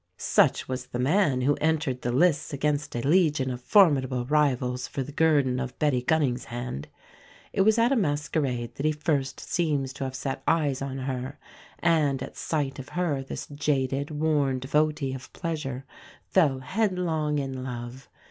Such was the man who entered the lists against a legion of formidable rivals for the guerdon of Betty Gunning's hand. It was at a masquerade that he first seems to have set eyes on her; and at sight of her this jaded, worn devotee of pleasure fell headlong in love.